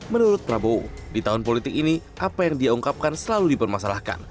menurut prabowo di tahun politik ini apa yang dia ungkapkan selalu dipermasalahkan